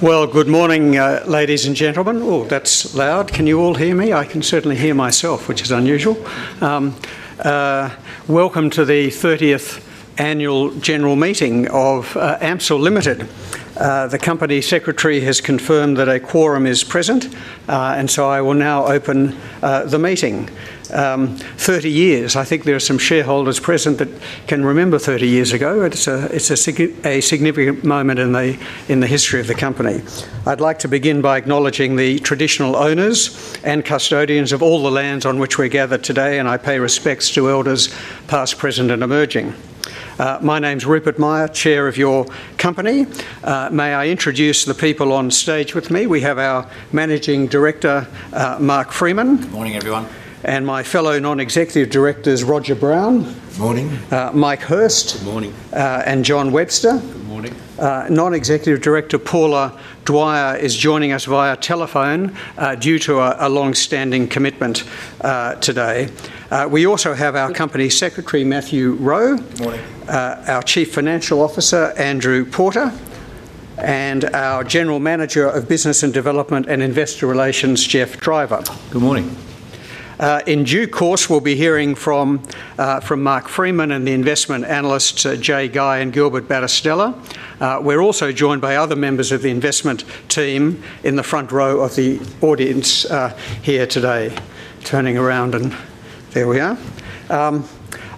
Good morning, ladies and gentlemen. Oh, that's loud. Can you all hear me? I can certainly hear myself, which is unusual. Welcome to the 30th Annual General Meeting of AMCIL Limited. The Company Secretary has confirmed that a quorum is present, and I will now open the meeting. Thirty years, I think there are some shareholders present that can remember 30 years ago. It's a significant moment in the history of the company. I'd like to begin by acknowledging the traditional owners and custodians of all the lands on which we're gathered today, and I pay respects to elders, past, present, and emerging. My name's Rupert Myer, Chair of your company. May I introduce the people on stage with me? We have our Managing Director, Mark Freeman. Good morning, everyone. My fellow Non-Executive Directors, Roger Brown. Morning. Mike Hirst. Morning. Jon Webster. Good morning. Non-Executive Director, Paula Dwyer, is joining us via telephone due to a longstanding commitment today. We also have our Company Secretary, Matthew Rowe. Morning. Our Chief Financial Officer, Andrew Porter, and our General Manager of Business and Development and Investor Relations, Geoffrey Driver. Good morning. In due course, we'll be hearing from Mark Freeman and the investment analysts, Jaye Guy and Gilbert Battistella. We're also joined by other members of the investment team in the front row of the audience here today. Turning around and there we are.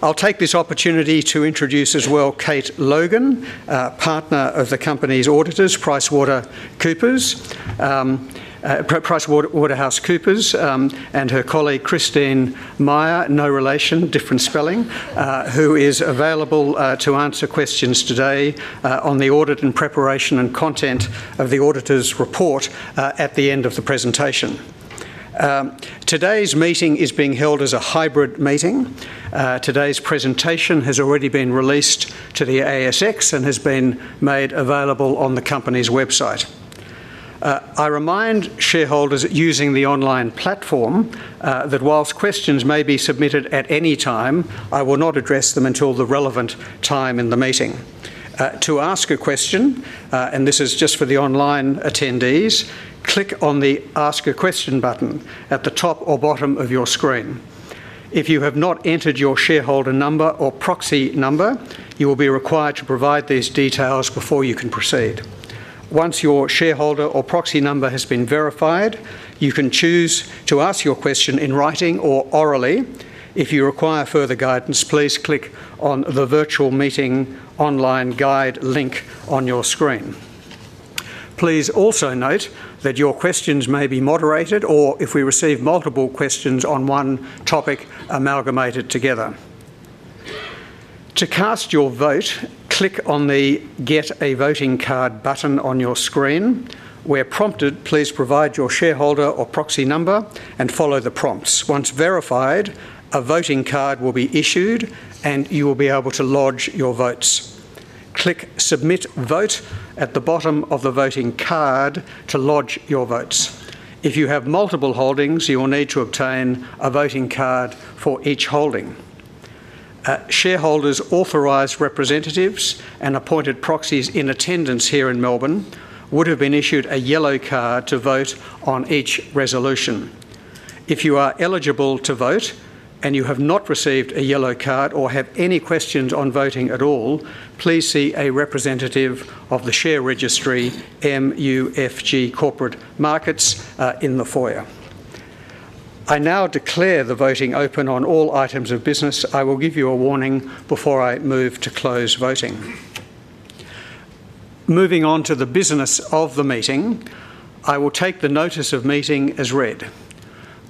I'll take this opportunity to introduce as well Kate Logan, Partner of the company's auditors, PricewaterhouseCoopers, and her colleague, Christine Meier, no relation, different spelling, who is available to answer questions today on the audit and preparation and content of the auditor's report at the end of the presentation. Today's meeting is being held as a hybrid meeting. Today's presentation has already been released to the ASX and has been made available on the company's website. I remind shareholders using the online platform that whilst questions may be submitted at any time, I will not address them until the relevant time in the meeting. To ask a question, and this is just for the online attendees, click on the Ask a Question button at the top or bottom of your screen. If you have not entered your shareholder number or proxy number, you will be required to provide these details before you can proceed. Once your shareholder or proxy number has been verified, you can choose to ask your question in writing or orally. If you require further guidance, please click on the virtual meeting online guide link on your screen. Please also note that your questions may be moderated or if we receive multiple questions on one topic, amalgamated together. To cast your vote, click on the Get a Voting Card button on your screen. Where prompted, please provide your shareholder or proxy number and follow the prompts. Once verified, a voting card will be issued and you will be able to lodge your votes. Click Submit Vote at the bottom of the voting card to lodge your votes. If you have multiple holdings, you will need to obtain a voting card for each holding. Shareholders, authorized representatives, and appointed proxies in attendance here in Melbourne would have been issued a yellow card to vote on each resolution. If you are eligible to vote and you have not received a yellow card or have any questions on voting at all, please see a representative of the share registry, MUFG Corporate Markets, in the foyer. I now declare the voting open on all items of business. I will give you a warning before I move to close voting. Moving on to the business of the meeting, I will take the notice of meeting as read.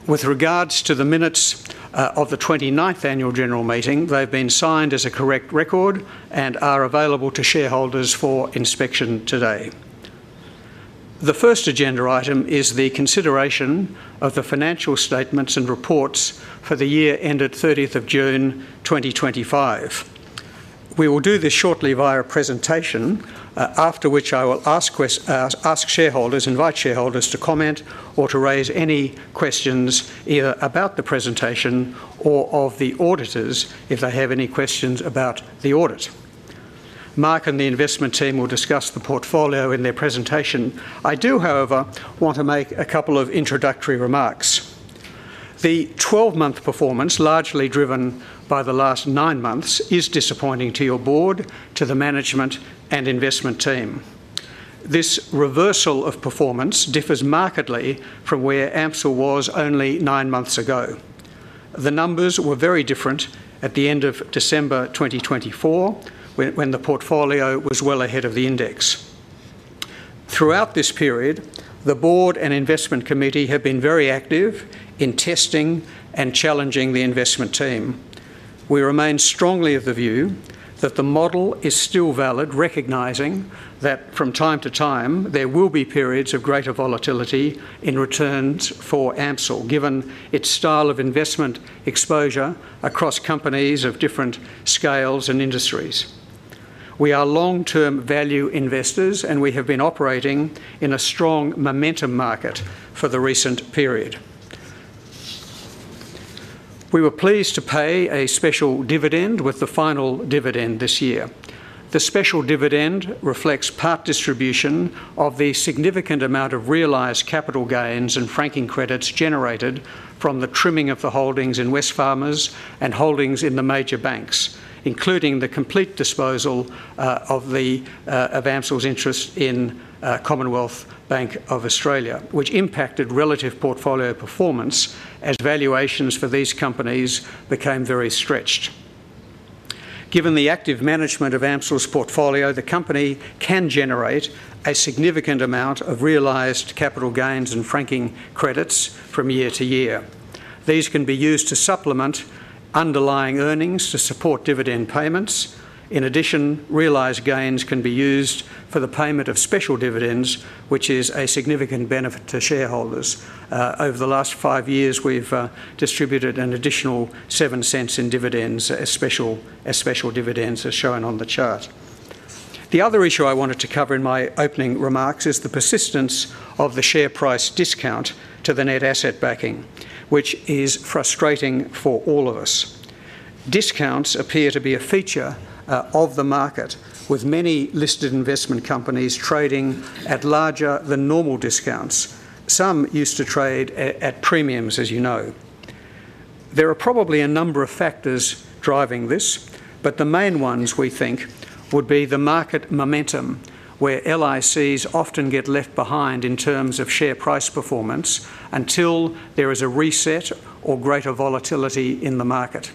With regards to the minutes of the 29th Annual General Meeting, they've been signed as a correct record and are available to shareholders for inspection today. The first agenda item is the consideration of the financial statements and reports for the year ended 30th of June 2025. We will do this shortly via presentation, after which I will ask shareholders, invite shareholders to comment or to raise any questions either about the presentation or of the auditors if they have any questions about the audit. Mark and the investment team will discuss the portfolio in their presentation. I do, however, want to make a couple of introductory remarks. The 12-month performance, largely driven by the last nine months, is disappointing to your Board, to the management, and investment team. This reversal of performance differs markedly from where AMCIL was only nine months ago. The numbers were very different at the end of December 2024 when the portfolio was well ahead of the index. Throughout this period, the Board and Investment Committee have been very active in testing and challenging the investment team. We remain strongly of the view that the model is still valid, recognizing that from time to time there will be periods of greater volatility in returns for AMCIL, given its style of investment exposure across companies of different scales and industries. We are long-term value investors and we have been operating in a strong momentum market for the recent period. We were pleased to pay a special dividend with the final dividend this year. The special dividend reflects part distribution of the significant amount of realized capital gains and franking credits generated from the trimming of the holdings in Wesfarmers and holdings in the major banks, including the complete disposal of AMCIL's interest in Commonwealth Bank of Australia, which impacted relative portfolio performance as valuations for these companies became very stretched. Given the active management of AMCIL's portfolio, the company can generate a significant amount of realized capital gains and franking credits from year to year. These can be used to supplement underlying earnings to support dividend payments. In addition, realized gains can be used for the payment of special dividends, which is a significant benefit to shareholders. Over the last five years, we've distributed an additional 0.07 in dividends as special dividends are shown on the chart. The other issue I wanted to cover in my opening remarks is the persistence of the share price discount to the net asset backing, which is frustrating for all of us. Discounts appear to be a feature of the market, with many listed investment companies trading at larger than normal discounts. Some used to trade at premiums, as you know. There are probably a number of factors driving this, but the main ones we think would be the market momentum, where LICs often get left behind in terms of share price performance until there is a reset or greater volatility in the market.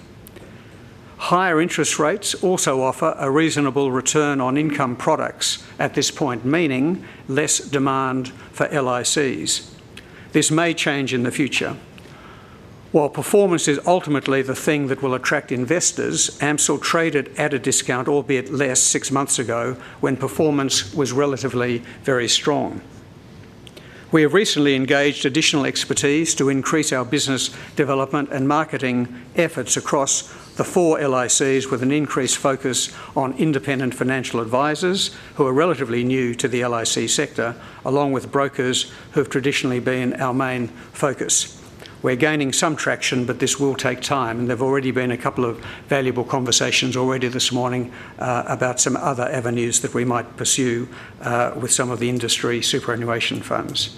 Higher interest rates also offer a reasonable return on income products at this point, meaning less demand for LICs. This may change in the future. While performance is ultimately the thing that will attract investors, AMCIL traded at a discount, albeit less, six months ago when performance was relatively very strong. We have recently engaged additional expertise to increase our business development and marketing efforts across the four LICs, with an increased focus on independent financial advisors who are relatively new to the LIC sector, along with brokers who have traditionally been our main focus. We're gaining some traction, but this will take time, and there have already been a couple of valuable conversations already this morning about some other avenues that we might pursue with some of the industry superannuation firms.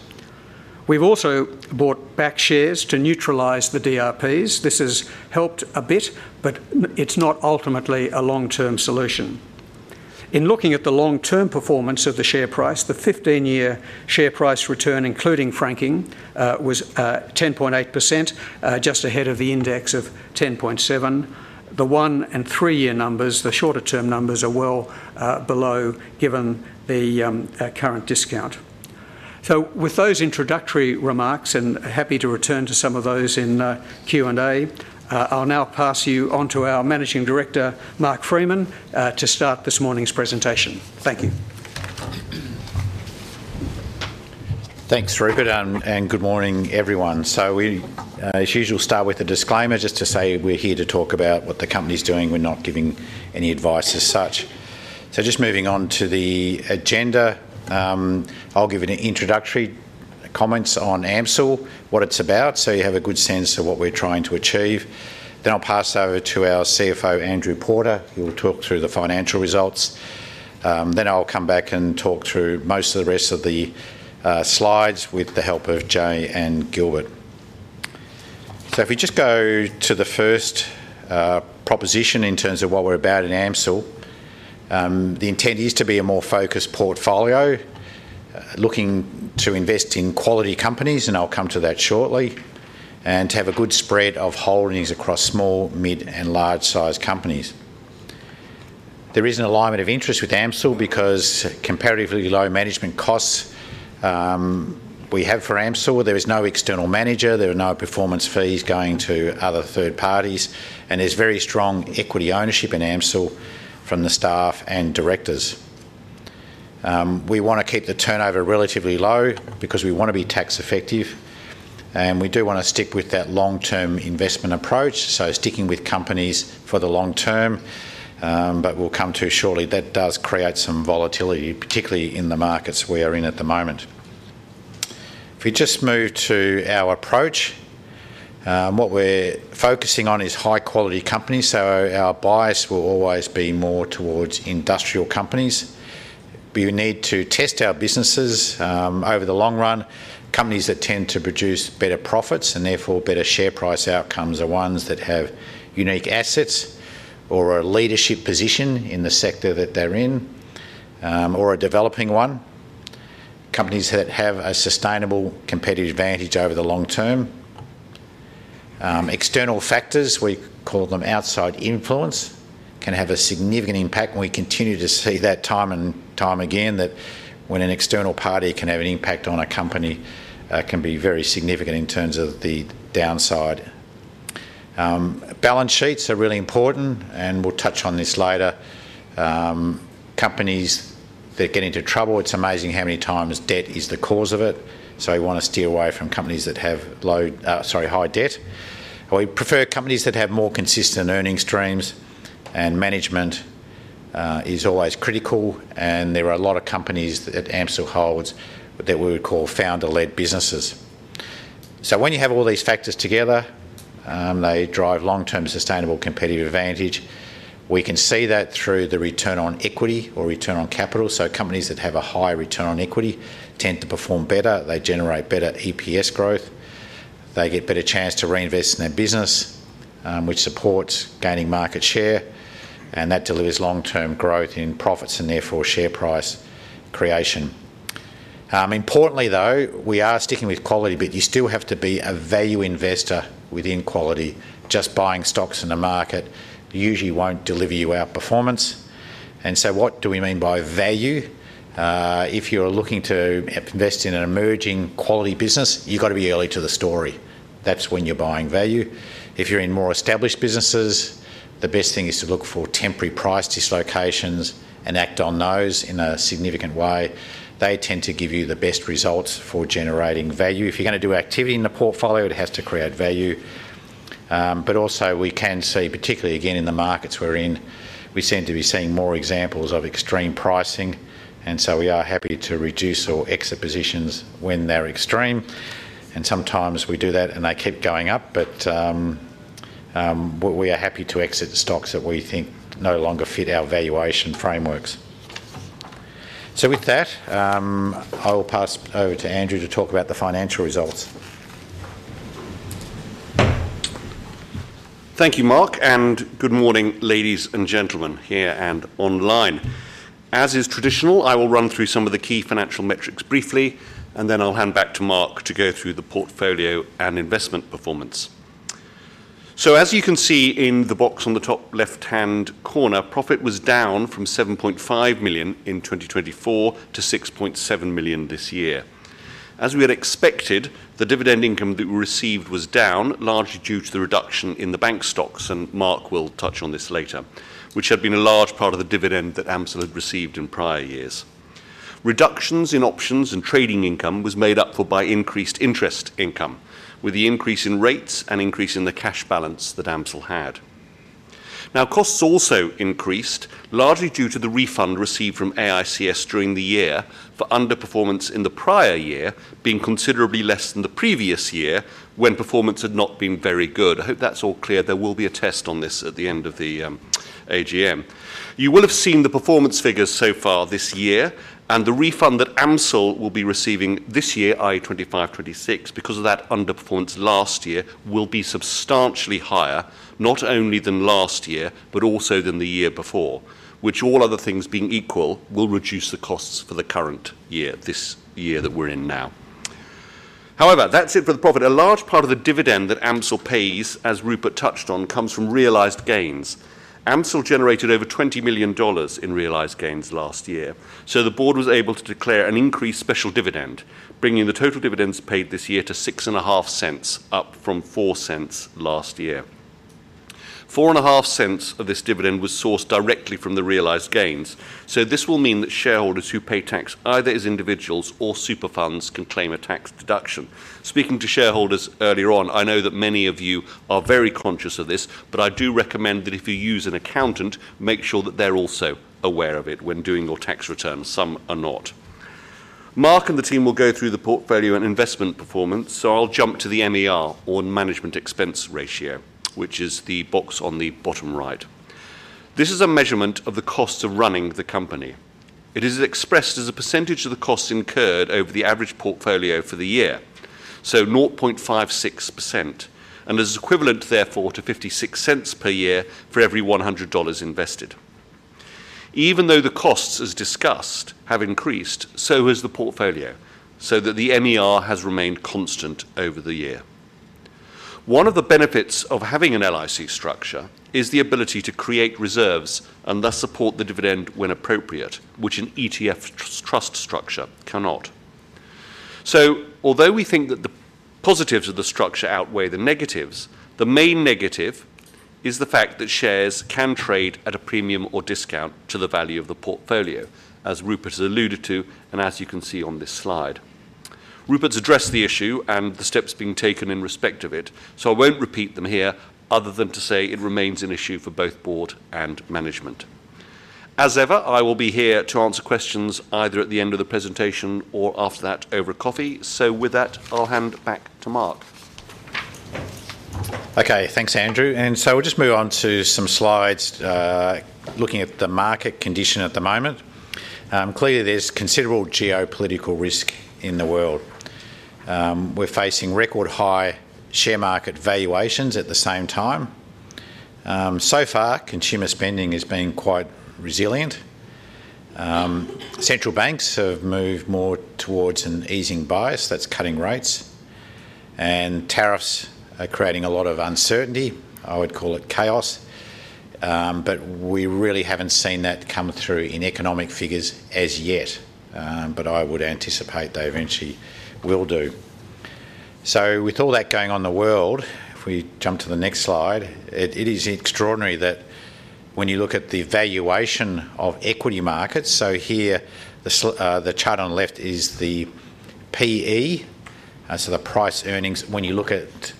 We've also bought back shares to neutralize the DRPs. This has helped a bit, but it's not ultimately a long-term solution. In looking at the long-term performance of the share price, the 15-year share price return, including franking, was 10.8%, just ahead of the index of 10.7%. The one and three-year numbers, the shorter-term numbers, are well below given the current discount. With those introductory remarks, and happy to return to some of those in Q&A, I'll now pass you on to our Managing Director, Mark Freeman, to start this morning's presentation. Thank you. Thanks, Rupert, and good morning, everyone. As usual, we'll start with a disclaimer just to say we're here to talk about what the company's doing. We're not giving any advice as such. Moving on to the agenda, I'll give an introductory comment on AMCIL, what it's about, so you have a good sense of what we're trying to achieve. I'll pass over to our CFO, Andrew Porter, who will talk through the financial results. I'll come back and talk through most of the rest of the slides with the help of Jay and Gilbert. If we just go to the first proposition in terms of what we're about in AMCIL, the intent is to be a more focused portfolio, looking to invest in quality companies, and I'll come to that shortly, and to have a good spread of holdings across small, mid, and large-sized companies. There is an alignment of interest with AMCIL because of comparatively low management costs we have for AMCIL. There is no external manager. There are no performance fees going to other third parties, and there's very strong equity ownership in AMCIL from the staff and directors. We want to keep the turnover relatively low because we want to be tax-effective, and we do want to stick with that long-term investment approach, sticking with companies for the long term, but we'll come to shortly that does create some volatility, particularly in the markets we are in at the moment. If we just move to our approach, what we're focusing on is high-quality companies, so our bias will always be more towards industrial companies. We need to test our businesses over the long run. Companies that tend to produce better profits and therefore better share price outcomes are ones that have unique assets or a leadership position in the sector that they're in or a developing one. Companies that have a sustainable competitive advantage over the long term. External factors, we call them outside influence, can have a significant impact, and we continue to see that time and time again that when an external party can have an impact on a company, it can be very significant in terms of the downside. Balance sheets are really important, and we'll touch on this later. Companies that get into trouble, it's amazing how many times debt is the cause of it, so we want to steer away from companies that have high debt. We prefer companies that have more consistent earning streams, and management is always critical, and there are a lot of companies that AMCIL holds that we would call founder-led businesses. When you have all these factors together, they drive long-term sustainable competitive advantage. We can see that through the return on equity or return on capital, so companies that have a high return on equity tend to perform better. They generate better EPS growth. They get a better chance to reinvest in their business, which supports gaining market share, and that delivers long-term growth in profits and therefore share price creation. Importantly, though, we are sticking with quality a bit. You still have to be a value investor within quality. Just buying stocks in a market usually won't deliver you outperformance. What do we mean by value? If you're looking to invest in an emerging quality business, you've got to be early to the story. That's when you're buying value. If you're in more established businesses, the best thing is to look for temporary price dislocations and act on those in a significant way. They tend to give you the best results for generating value. If you're going to do activity in the portfolio, it has to create value. We can see, particularly again in the markets we're in, we seem to be seeing more examples of extreme pricing, and we are happy to reduce or exit positions when they're extreme. Sometimes we do that and they keep going up, but we are happy to exit stocks that we think no longer fit our valuation frameworks. With that, I will pass over to Andrew to talk about the financial results. Thank you, Mark, and good morning, ladies and gentlemen here and online. As is traditional, I will run through some of the key financial metrics briefly, and then I'll hand back to Mark to go through the portfolio and investment performance. As you can see in the box on the top left-hand corner, profit was down from 7.5 million in 2024 to 6.7 million this year. As we had expected, the dividend income that we received was down, largely due to the reduction in the bank stocks, and Mark will touch on this later, which had been a large part of the dividend that AMCIL had received in prior years. Reductions in options and trading income were made up by increased interest income, with the increase in rates and increase in the cash balance that AMCIL had. Costs also increased, largely due to the refund received from AICS during the year for underperformance in the prior year, being considerably less than the previous year when performance had not been very good. I hope that's all clear. There will be a test on this at the end of the AGM. You will have seen the performance figures so far this year, and the refund that AMCIL will be receiving this year, i.e. 2025-2026, because of that underperformance last year, will be substantially higher, not only than last year, but also than the year before, which, all other things being equal, will reduce the costs for the current year, this year that we're in now. However, that's it for the profit. A large part of the dividend that AMCIL pays, as Rupert touched on, comes from realized gains. AMCIL generated over 20 million dollars in realized gains last year, so the board was able to declare an increased special dividend, bringing the total dividends paid this year to 0.065, up from 0.04 last year. 0.045 of this dividend was sourced directly from the realized gains, so this will mean that shareholders who pay tax, either as individuals or super funds, can claim a tax deduction. Speaking to shareholders earlier on, I know that many of you are very conscious of this, but I do recommend that if you use an accountant, make sure that they're also aware of it when doing your tax returns, some are not. Mark and the team will go through the portfolio and investment performance, so I'll jump to the MER, or management expense ratio, which is the box on the bottom right. This is a measurement of the cost of running the company. It is expressed as a percentage of the costs incurred over the average portfolio for the year, so 0.56%, and is equivalent therefore to 0.56 per year for every 100 dollars invested. Even though the costs, as discussed, have increased, so has the portfolio, so that the MER has remained constant over the year. One of the benefits of having an LIC structure is the ability to create reserves and thus support the dividend when appropriate, which an ETF trust structure cannot. Although we think that the positives of the structure outweigh the negatives, the main negative is the fact that shares can trade at a premium or discount to the value of the portfolio, as Rupert has alluded to and as you can see on this slide. Rupert's addressed the issue and the steps being taken in respect of it, so I won't repeat them here other than to say it remains an issue for both Board and management. As ever, I will be here to answer questions either at the end of the presentation or after that over coffee, so with that, I'll hand back to Mark. Okay, thanks, Andrew. We'll just move on to some slides, looking at the market condition at the moment. Clearly, there's considerable geopolitical risk in the world. We're facing record high share market valuations at the same time. So far, consumer spending has been quite resilient. Central banks have moved more towards an easing bias, that's cutting rates, and tariffs are creating a lot of uncertainty. I would call it chaos, but we really haven't seen that come through in economic figures as yet. I would anticipate they eventually will do. With all that going on in the world, if we jump to the next slide, it is extraordinary that when you look at the valuation of equity markets, here the chart on the left is the PE, so the price earnings, when you look at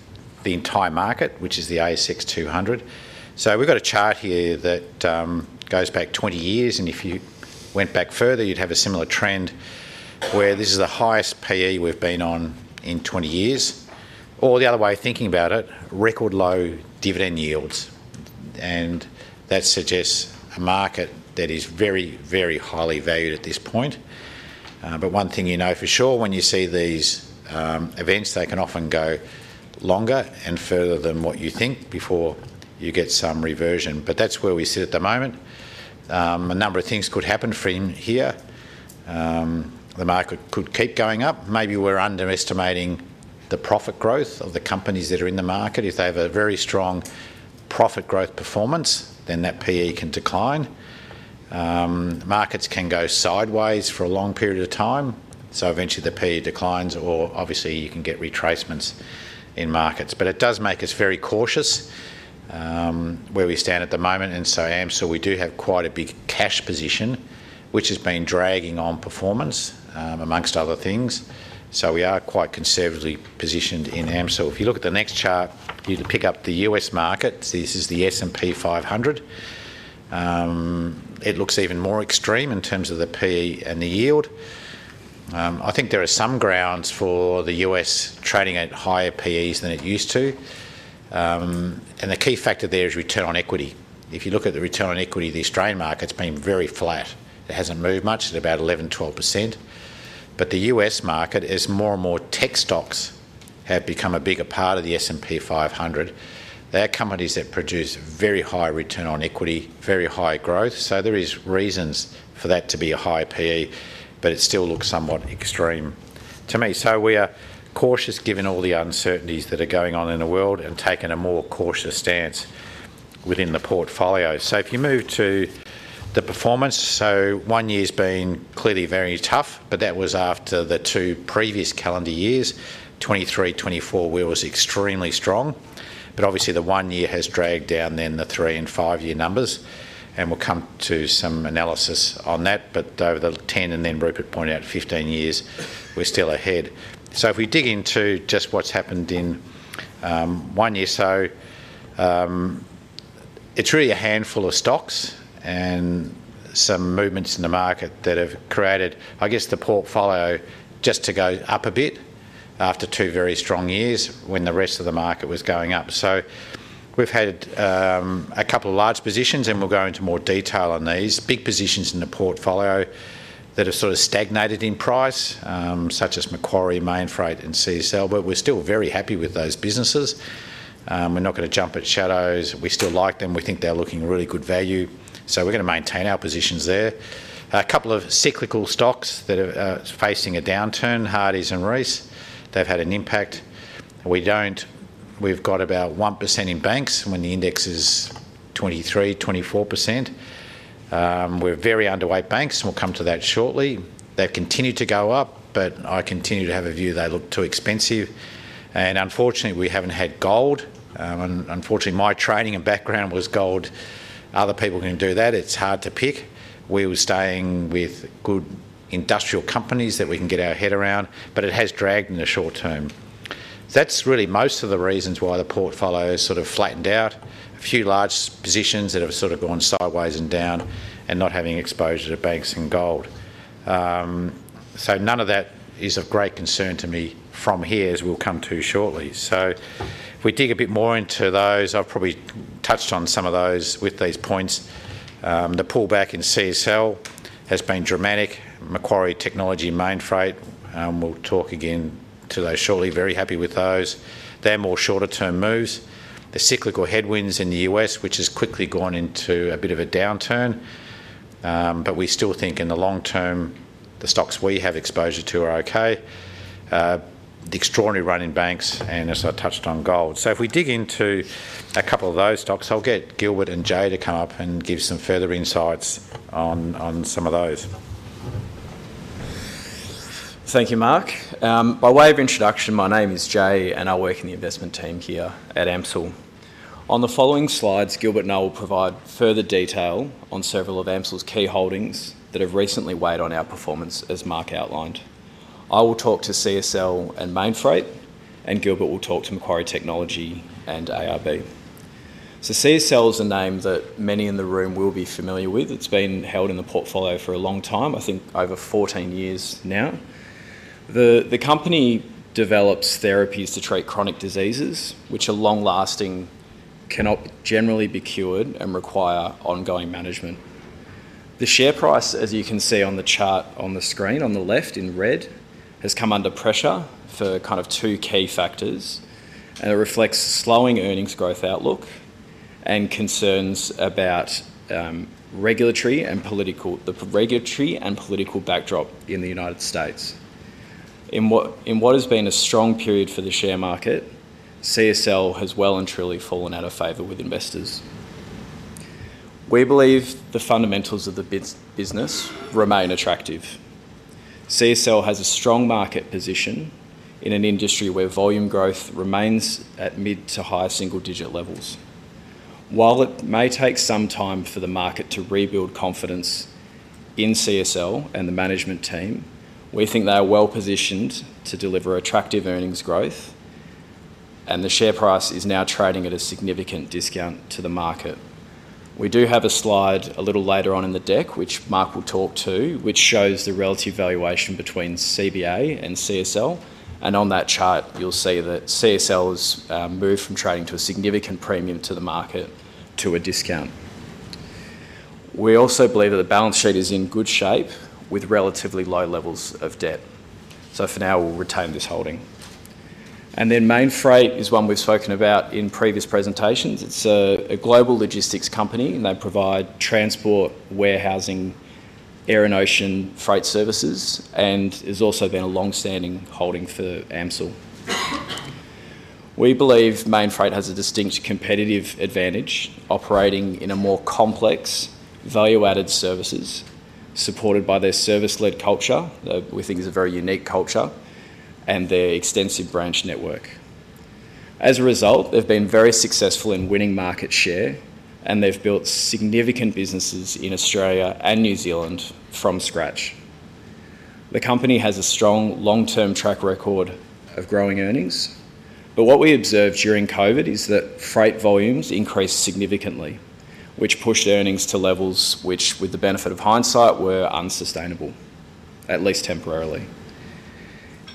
the entire market, which is the ASX 200. We've got a chart here that goes back 20 years, and if you went back further, you'd have a similar trend where this is the highest PE we've been on in 20 years. The other way of thinking about it is record low dividend yields, and that suggests a market that is very, very highly valued at this point. One thing you know for sure, when you see these events, they can often go longer and further than what you think before you get some reversion, but that's where we sit at the moment. A number of things could happen from here. The market could keep going up. Maybe we're underestimating the profit growth of the companies that are in the market. If they have a very strong profit growth performance, then that PE can decline. Markets can go sideways for a long period of time, so eventually the PE declines, or obviously you can get retracements in markets. It does make us very cautious where we stand at the moment. AMCIL does have quite a big cash position, which has been dragging on performance, amongst other things. We are quite conservatively positioned in AMCIL. If you look at the next chart, you can pick up the U.S. market. This is the S&P 500. It looks even more extreme in terms of the PE and the yield. I think there are some grounds for the U.S. trading at higher PEs than it used to. The key factor there is return on equity. If you look at the return on equity, the Australian market's been very flat. It hasn't moved much at about 11%-12%. The U.S. market, as more and more tech stocks have become a bigger part of the S&P 500, they're companies that produce very high return on equity, very high growth. There are reasons for that to be a high PE, but it still looks somewhat extreme to me. We are cautious given all the uncertainties that are going on in the world and taking a more cautious stance within the portfolio. If you move to the performance, one year's been clearly very tough, but that was after the two previous calendar years, 2023-2024, where it was extremely strong. Obviously, the one year has dragged down then the three and five-year numbers, and we'll come to some analysis on that. Over the 10, and then Rupert pointed out 15 years, we're still ahead. If we dig into just what's happened in one year, it's really a handful of stocks and some movements in the market that have created, I guess, the portfolio just to go up a bit after two very strong years when the rest of the market was going up. We've had a couple of large positions, and we'll go into more detail on these. Big positions in the portfolio that have sort of stagnated in price, such as Macquarie, Mainfreight, and CSL, but we're still very happy with those businesses. We're not going to jump at shadows. We still like them. We think they're looking at really good value. We're going to maintain our positions there. A couple of cyclical stocks that are facing a downturn, Hardie and Reece, they've had an impact. We've got about 1% in banks when the index is 23%-24%. We're very underweight banks, and we'll come to that shortly. They've continued to go up, but I continue to have a view they look too expensive. Unfortunately, we haven't had gold. Unfortunately, my training and background was gold. Other people can do that. It's hard to pick. We were staying with good industrial companies that we can get our head around, but it has dragged in the short term. That's really most of the reasons why the portfolio has sort of flattened out. A few large positions that have sort of gone sideways and down and not having exposure to banks and gold. None of that is of great concern to me from here, as we'll come to shortly. If we dig a bit more into those, I've probably touched on some of those with these points. The pullback in CSL has been dramatic. Macquarie Technology and Mainfreight, we'll talk again to those shortly. Very happy with those. They're more shorter-term moves. The cyclical headwinds in the U.S., which has quickly gone into a bit of a downturn, but we still think in the long term, the stocks we have exposure to are okay. The extraordinary run in banks and as I touched on, gold. If we dig into a couple of those stocks, I'll get Gilbert and Jaye to come up and give some further insights on some of those. Thank you, Mark. By way of introduction, my name is Jaye, and I work in the investment team here at AMCIL. On the following slides, Gilbert and I will provide further detail on several of AMCIL's key holdings that have recently weighed on our performance, as Mark outlined. I will talk to CSL and Mainfreight, and Gilbert will talk to Macquarie Technology and AUB. CSL is a name that many in the room will be familiar with. It's been held in the portfolio for a long time, I think over 14 years now. The company develops therapies to treat chronic diseases, which are long-lasting, cannot generally be cured, and require ongoing management. The share price, as you can see on the chart on the screen on the left in red, has come under pressure for kind of two key factors, and it reflects slowing earnings growth outlook and concerns about the regulatory and political backdrop in the United States. In what has been a strong period for the share market, CSL has well and truly fallen out of favor with investors. We believe the fundamentals of the business remain attractive. CSL has a strong market position in an industry where volume growth remains at mid to high single-digit levels. While it may take some time for the market to rebuild confidence in CSL and the management team, we think they are well positioned to deliver attractive earnings growth, and the share price is now trading at a significant discount to the market. We do have a slide a little later on in the deck, which Mark will talk to, which shows the relative valuation between Commonwealth Bank of Australia and CSL, and on that chart, you'll see that CSL has moved from trading to a significant premium to the market to a discount. We also believe that the balance sheet is in good shape with relatively low levels of debt. For now, we'll retain this holding. Mainfreight is one we've spoken about in previous presentations. It's a global logistics company, and they provide transport, warehousing, air and ocean freight services, and has also been a longstanding holding for AMCIL. We believe Mainfreight has a distinct competitive advantage, operating in a more complex value-added services, supported by their service-led culture, which we think is a very unique culture, and their extensive branch network. As a result, they've been very successful in winning market share, and they've built significant businesses in Australia and New Zealand from scratch. The company has a strong long-term track record of growing earnings, but what we observed during COVID is that freight volumes increased significantly, which pushed earnings to levels which, with the benefit of hindsight, were unsustainable, at least temporarily.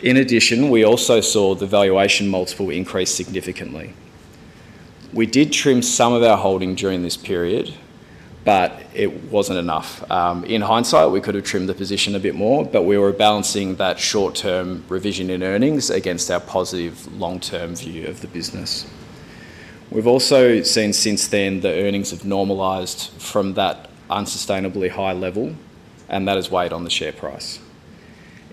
In addition, we also saw the valuation multiple increase significantly. We did trim some of our holding during this period, but it wasn't enough. In hindsight, we could have trimmed the position a bit more, but we were balancing that short-term revision in earnings against our positive long-term view of the business. We've also seen since then the earnings have normalized from that unsustainably high level, and that has weighed on the share price.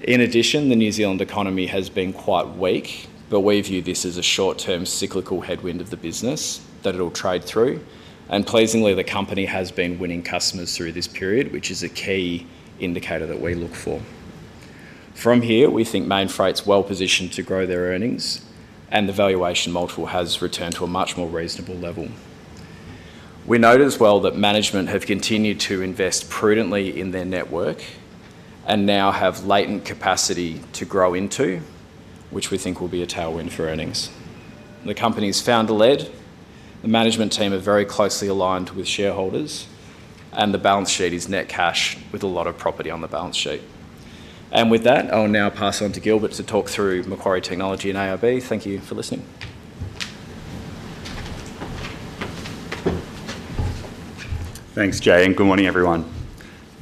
In addition, the New Zealand economy has been quite weak, but we view this as a short-term cyclical headwind of the business that it'll trade through, and pleasingly, the company has been winning customers through this period, which is a key indicator that we look for. From here, we think Mainfreight's well positioned to grow their earnings, and the valuation multiple has returned to a much more reasonable level. We note as well that management has continued to invest prudently in their network and now have latent capacity to grow into, which we think will be a tailwind for earnings. The company's founder-led, the management team are very closely aligned with shareholders, and the balance sheet is net cash with a lot of property on the balance sheet. With that, I'll now pass on to Gilbert to talk through Macquarie Technology and AUB. Thank you for listening. Thanks, Jaye, and good morning, everyone.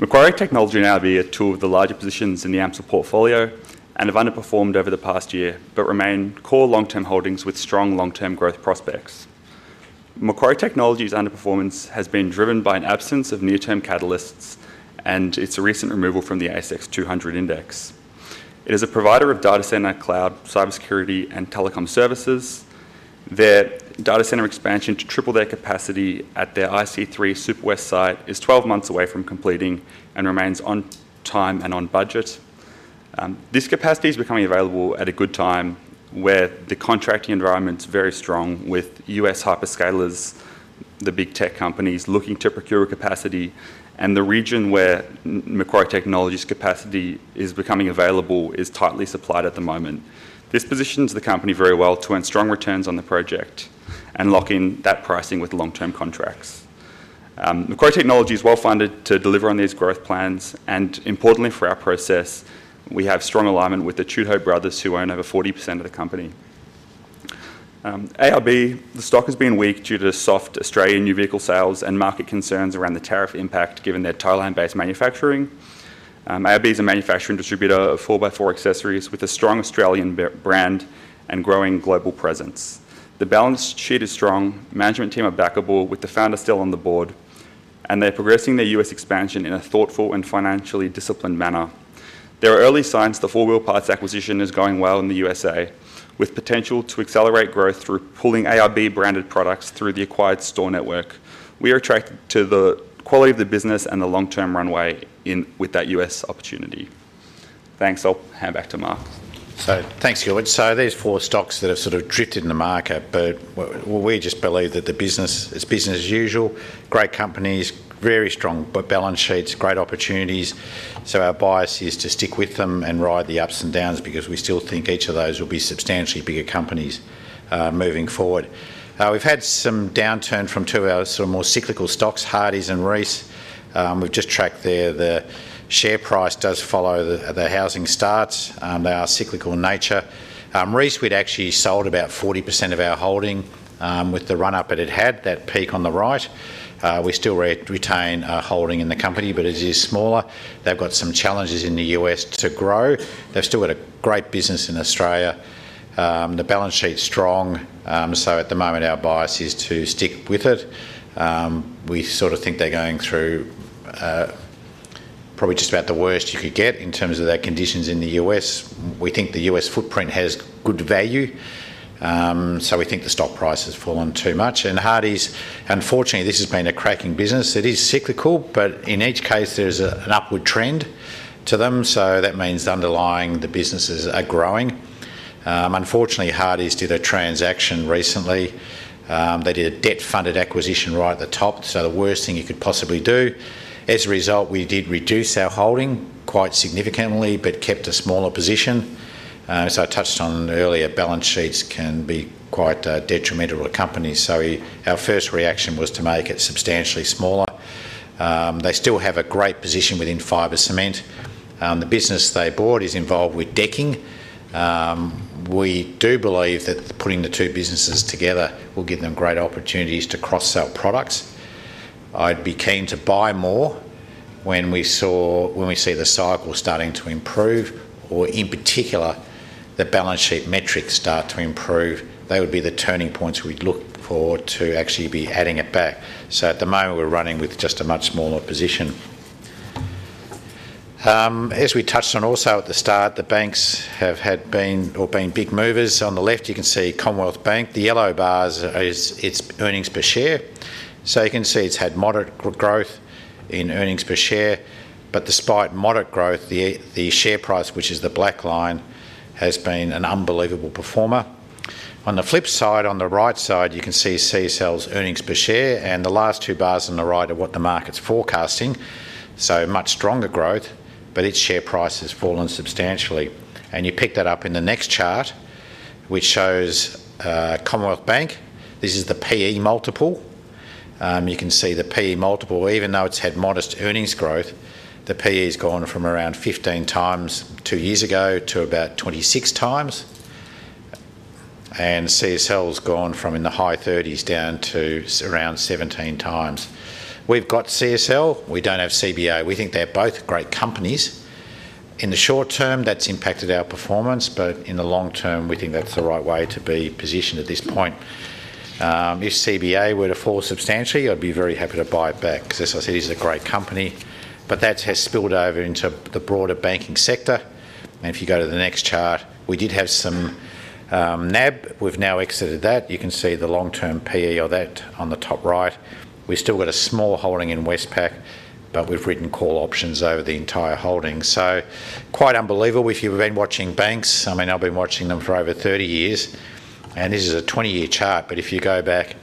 Macquarie Technology and AUB are two of the larger positions in the AMCIL portfolio and have underperformed over the past year, but remain core long-term holdings with strong long-term growth prospects. Macquarie Technology's underperformance has been driven by an absence of near-term catalysts and its recent removal from the ASX 200 index. It is a provider of data center, cloud, cybersecurity, and telecom services. Their data center expansion to triple their capacity at their IC3 Super West site is 12 months away from completing and remains on time and on budget. This capacity is becoming available at a good time where the contracting environment is very strong with U.S. hyperscalers, the big tech companies looking to procure capacity, and the region where Macquarie Technology's capacity is becoming available is tightly supplied at the moment. This positions the company very well to earn strong returns on the project and lock in that pricing with long-term contracts. Macquarie Technology is well-funded to deliver on these growth plans, and importantly for our process, we have strong alignment with the Chudleigh brothers who own over 40% of the company. AUB, the stock has been weak due to the soft Australian new vehicle sales and market concerns around the tariff impact given their Thailand-based manufacturing. AUB is a manufacturer and distributor of 4x4 accessories with a strong Australian brand and growing global presence. The balance sheet is strong, management team are backable with the founder still on the board, and they're progressing their U.S. expansion in a thoughtful and financially disciplined manner. There are early signs that the four-wheel parts acquisition is going well in the U.S.A. with potential to accelerate growth through pulling AUB branded products through the acquired store network. We are attracted to the quality of the business and the long-term runway with that U.S. opportunity. Thanks, I'll hand back to Mark. Thanks, Gilbert. There are four stocks that have sort of drifted in the market, but we just believe that the business is business as usual, great companies, very strong balance sheets, great opportunities. Our bias is to stick with them and ride the ups and downs because we still think each of those will be substantially bigger companies moving forward. We've had some downturn from two of our sort of more cyclical stocks, Hardie and Reece. We've just tracked there, the share price does follow the housing starts. They are cyclical in nature. Reece, we'd actually sold about 40% of our holding with the run-up it had had, that peak on the right. We still retain a holding in the company, but it is smaller. They've got some challenges in the U.S. to grow. They've still got a great business in Australia. The balance sheet is strong, so at the moment our bias is to stick with it. We sort of think they're going through probably just about the worst you could get in terms of their conditions in the U.S. We think the U.S. footprint has good value, so we think the stock price has fallen too much. Hardie, unfortunately, this has been a cracking business. It is cyclical, but in each case there's an upward trend to them, so that means the underlying businesses are growing. Unfortunately, Hardie did a transaction recently. They did a debt-funded acquisition right at the top, the worst thing you could possibly do. As a result, we did reduce our holding quite significantly, but kept a smaller position. As I touched on earlier, balance sheets can be quite detrimental to companies, so our first reaction was to make it substantially smaller. They still have a great position within fiber cement. The business they bought is involved with decking. We do believe that putting the two businesses together will give them great opportunities to cross-sell products. I'd be keen to buy more when we see the cycle starting to improve, or in particular, the balance sheet metrics start to improve. Those would be the turning points we'd look for to actually be adding it back. At the moment, we're running with just a much smaller position. As we touched on also at the start, the banks have been big movers. On the left, you can see Commonwealth Bank. The yellow bar is its earnings per share. You can see it's had moderate growth in earnings per share, but despite moderate growth, the share price, which is the black line, has been an unbelievable performer. On the flip side, on the right side, you can see CSL's earnings per share, and the last two bars on the right are what the market's forecasting, so much stronger growth, but its share price has fallen substantially. You pick that up in the next chart, which shows Commonwealth Bank. This is the PE multiple. You can see the PE multiple, even though it's had modest earnings growth, the PE has gone from around 15 times two years ago to about 26 times, and CSL has gone from in the high 30s down to around 17 times. We've got CSL. We don't have CBA. We think they're both great companies. In the short term, that's impacted our performance, but in the long term, we think that's the right way to be positioned at this point. If CBA were to fall substantially, I'd be very happy to buy it back because, as I said, it is a great company, but that has spilled over into the broader banking sector. If you go to the next chart, we did have some NAB. We've now exited that. You can see the long-term PE of that on the top right. We've still got a small holding in Westpac, but we've written call options over the entire holding. Quite unbelievable. If you've been watching banks, I mean, I've been watching them for over 30 years, and this is a 20-year chart, but if you go back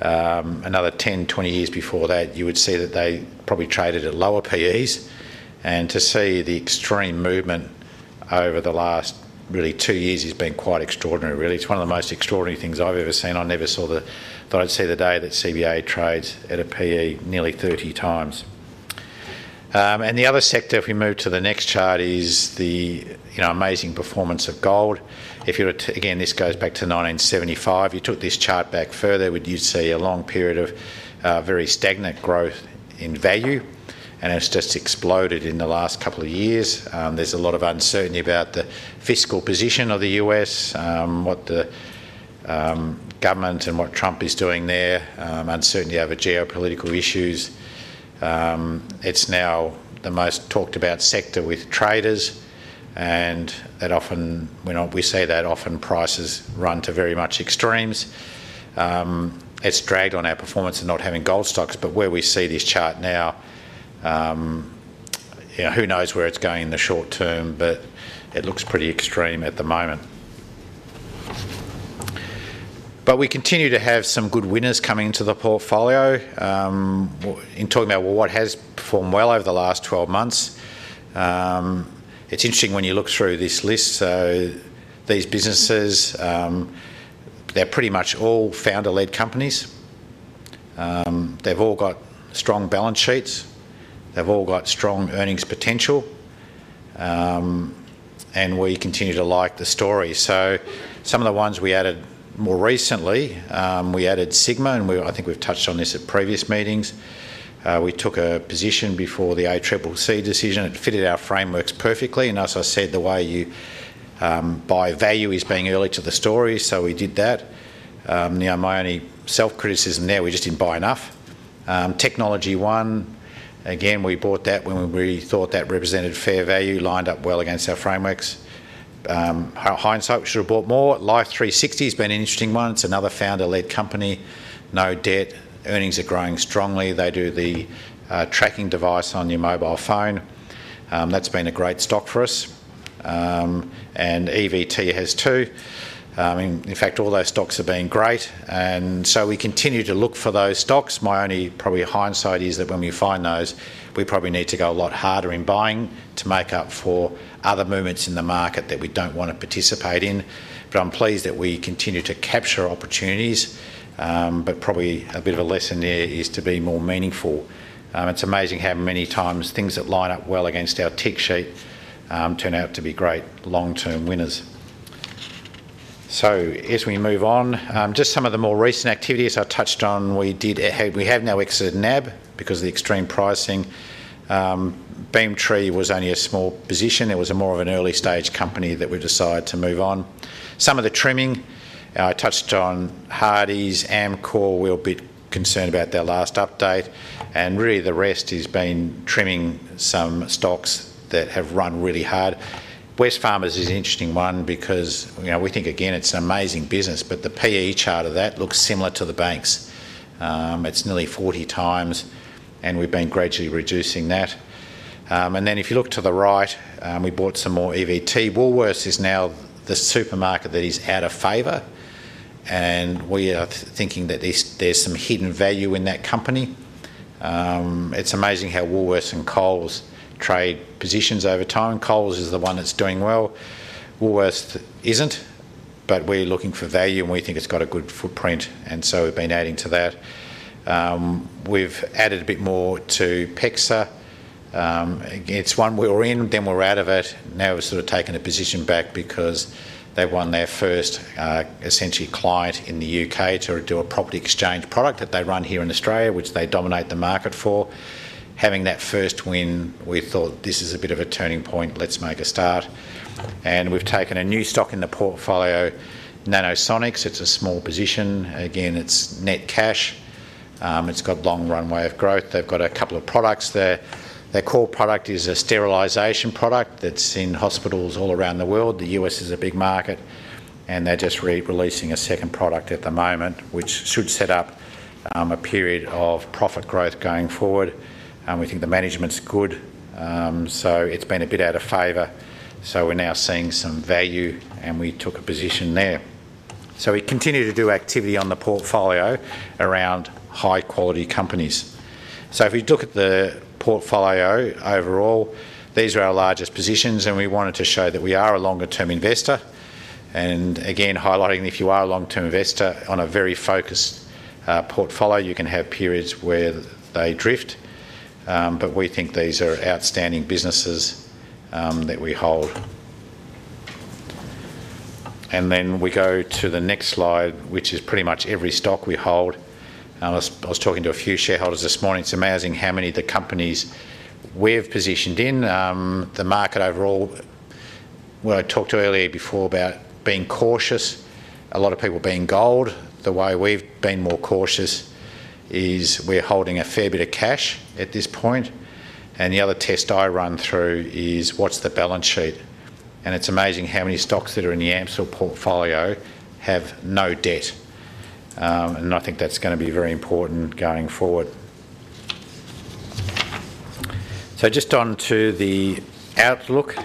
another 10, 20 years before that, you would see that they probably traded at lower PEs. To see the extreme movement over the last really two years has been quite extraordinary. Really, it's one of the most extraordinary things I've ever seen. I never saw that I'd see the day that CBA trades at a PE nearly 30 times. The other sector, if we move to the next chart, is the amazing performance of gold. If you look again, this goes back to 1975. If you took this chart back further, you'd see a long period of very stagnant growth in value, and it's just exploded in the last couple of years. There's a lot of uncertainty about the fiscal position of the U.S., what the government and what Trump is doing there, uncertainty over geopolitical issues. It's now the most talked-about sector with traders, and we say that often prices run to very much extremes. It's dragged on our performance and not having gold stocks, but where we see this chart now, who knows where it's going in the short term, but it looks pretty extreme at the moment. We continue to have some good winners coming into the portfolio. In talking about what has performed well over the last 12 months, it's interesting when you look through this list. These businesses, they're pretty much all founder-led companies. They've all got strong balance sheets. They've all got strong earnings potential, and we continue to like the story. Some of the ones we added more recently, we added Sigma, and I think we've touched on this at previous meetings. We took a position before the ACCC decision. It fitted our frameworks perfectly, and as I said, the way you buy value is being early to the story, so we did that. My only self-criticism there, we just didn't buy enough. Technology One, again, we bought that when we thought that represented fair value, lined up well against our frameworks. Hindsight, we should have bought more. Life360 has been an interesting one. It's another founder-led company. No debt. Earnings are growing strongly. They do the tracking device on your mobile phone. That's been a great stock for us. EVT has too. In fact, all those stocks have been great, and we continue to look for those stocks. My only probably hindsight is that when we find those, we probably need to go a lot harder in buying to make up for other movements in the market that we don't want to participate in. I'm pleased that we continue to capture opportunities, but probably a bit of a lesson there is to be more meaningful. It's amazing how many times things that line up well against our tech sheet turn out to be great long-term winners. As we move on, just some of the more recent activities I touched on, we have now exited NAB because of the extreme pricing. Beamtree was only a small position. It was more of an early-stage company that we decided to move on. Some of the trimming, I touched on Hardie, Amcor, we're a bit concerned about their last update, and really the rest has been trimming some stocks that have run really hard. Wesfarmers is an interesting one because we think again it's an amazing business, but the PE chart of that looks similar to the banks. It's nearly 40 times, and we've been gradually reducing that. If you look to the right, we bought some more EVT. Woolworths is now the supermarket that is out of favor, and we are thinking that there's some hidden value in that company. It's amazing how Woolworths and Coles trade positions over time. Coles is the one that's doing well. Woolworths isn't, but we're looking for value, and we think it's got a good footprint, and we've been adding to that. We've added a bit more to PEXA. It's one we were in, then we're out of it. Now we've sort of taken a position back because they won their first essentially client in the U.K. to do a property exchange product that they run here in Australia, which they dominate the market for. Having that first win, we thought this is a bit of a turning point. Let's make a start. We've taken a new stock in the portfolio, Nanosonics. It's a small position. Again, it's net cash. It's got a long runway of growth. They've got a couple of products there. Their core product is a sterilization product that's in hospitals all around the world. The U.S. is a big market, and they're just releasing a second product at the moment, which should set up a period of profit growth going forward. We think the management's good, it's been a bit out of favor. We're now seeing some value, and we took a position there. We continue to do activity on the portfolio around high-quality companies. If we look at the portfolio overall, these are our largest positions, and we wanted to show that we are a longer-term investor. Highlighting that if you are a long-term investor on a very focused portfolio, you can have periods where they drift. We think these are outstanding businesses that we hold. We go to the next slide, which is pretty much every stock we hold. I was talking to a few shareholders this morning. It's amazing how many of the companies we've positioned in the market overall. When I talked earlier before about being cautious, a lot of people being gold, the way we've been more cautious is we're holding a fair bit of cash at this point. The other test I run through is what's the balance sheet. It's amazing how many stocks that are in the AMCIL portfolio have no debt. I think that's going to be very important going forward. Just on to the outlook.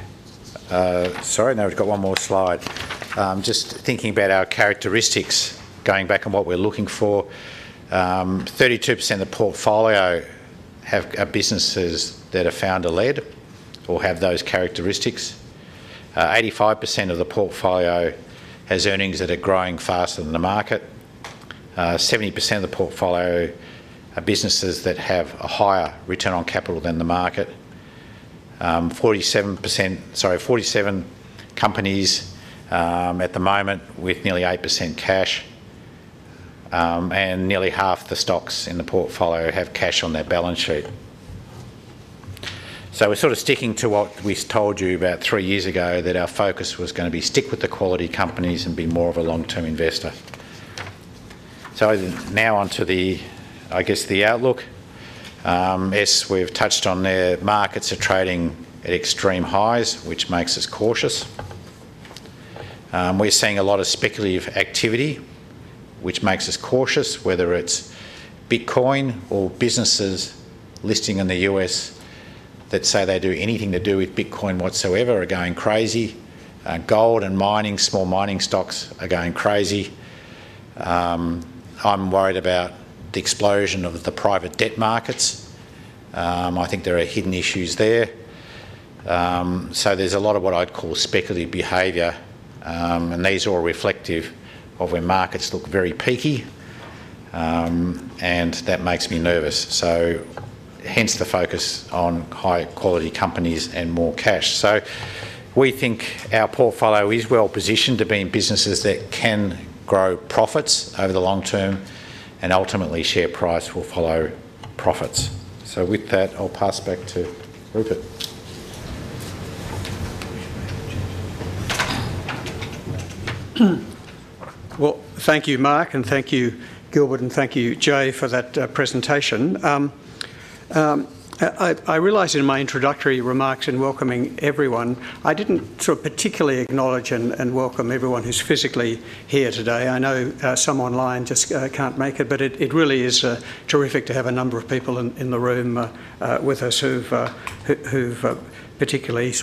Sorry, now we've got one more slide. Thinking about our characteristics, going back and what we're looking for, 32% of the portfolio have businesses that are founder-led or have those characteristics. 85% of the portfolio has earnings that are growing faster than the market. 70% of the portfolio are businesses that have a higher return on capital than the market. 47%, sorry, 47 companies at the moment with nearly 8% cash. Nearly half the stocks in the portfolio have cash on their balance sheet. We're sort of sticking to what we told you about three years ago, that our focus was going to be to stick with the quality companies and be more of a long-term investor. Now onto the outlook. Yes, we've touched on that. Markets are trading at extreme highs, which makes us cautious. We're seeing a lot of speculative activity, which makes us cautious, whether it's Bitcoin or businesses listing in the U.S. that say they do anything to do with Bitcoin whatsoever are going crazy. Gold and small mining stocks are going crazy. I'm worried about the explosion of the private debt markets. I think there are hidden issues there. There's a lot of what I'd call speculative behavior, and these are all reflective of when markets look very peaky, and that makes me nervous. Hence the focus on high-quality companies and more cash. We think our portfolio is well positioned to be in businesses that can grow profits over the long term, and ultimately share price will follow profits. With that, I'll pass back to Rupert. Thank you, Mark, and thank you, Gilbert, and thank you, Jay, for that presentation. I realized in my introductory remarks in welcoming everyone, I didn't particularly acknowledge and welcome everyone who's physically here today. I know some online just can't make it, but it really is terrific to have a number of people in the room with us who've particularly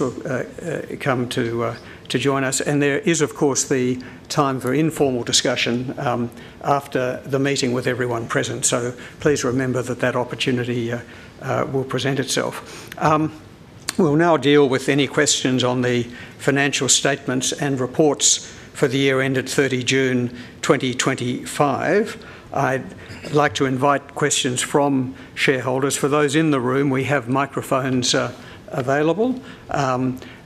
come to join us. There is, of course, the time for informal discussion after the meeting with everyone present. Please remember that that opportunity will present itself. We'll now deal with any questions on the financial statements and reports for the year ended 30 June 2025. I'd like to invite questions from shareholders. For those in the room, we have microphones available.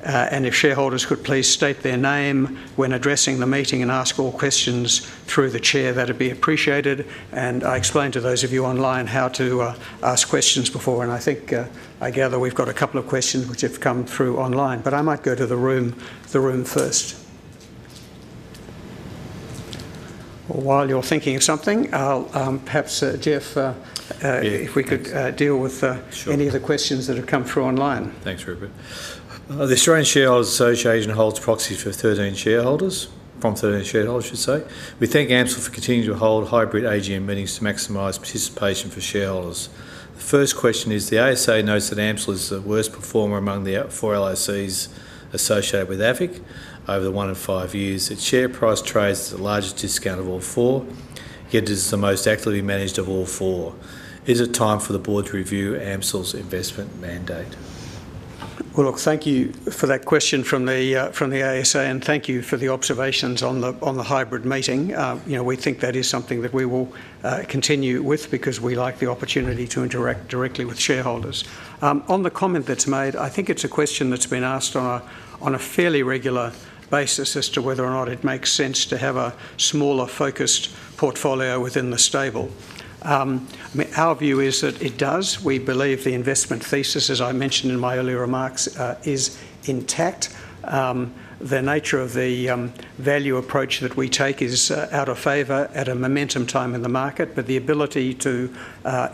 If shareholders could please state their name when addressing the meeting and ask all questions through the Chair, that would be appreciated. I explained to those of you online how to ask questions before. I think I gather we've got a couple of questions which have come through online, but I might go to the room first. While you're thinking of something, perhaps Geoff, if we could deal with any of the questions that have come through online. Thanks, Rupert, the Australian Shareholders Association holds proxy for 13 shareholders, from 13 shareholders, I should say. We think AMCIL continues to hold hybrid AGM meetings to maximize participation for shareholders. The first question is, the ASA notes that AMCIL is the worst performer among the four LICs associated with AFIC over the one and five years. Its share price trades the largest discount of all four, yet it is the most actively managed of all four. Is it time for the board to review AMCIL's investment mandate? Thank you for that question from the ASA, and thank you for the observations on the hybrid meeting. We think that is something that we will continue with because we like the opportunity to interact directly with shareholders. On the comment that's made, I think it's a question that's been asked on a fairly regular basis as to whether or not it makes sense to have a smaller focused portfolio within the stable. Our view is that it does. We believe the investment thesis, as I mentioned in my earlier remarks, is intact. The nature of the value approach that we take is out of favor at a momentum time in the market, but the ability to